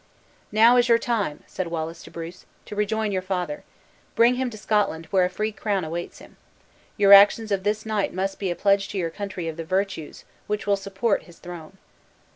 "Now is your time," said Wallace to Bruce, "to rejoin your father. Bring him to Scotland, where a free crown awaits him. Your actions of this night must be a pledge to your country of the virtues which will support his throne!"